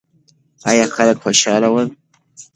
ایا خلک خوشاله ول؟